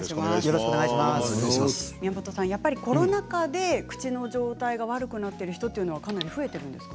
宮本さん、やっぱりコロナ禍で口の状態が悪くなっている人はかなり増えているんですか？